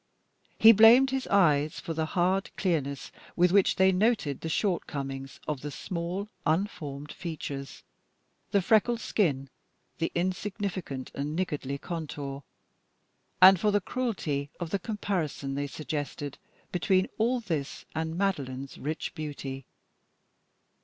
He blamed his eyes for the hard clearness with which they noted the shortcomings of the small, unformed features, the freckled skin, the insignificant and niggardly contour, and for the cruelty of the comparison they suggested between all this and Madeline's rich beauty.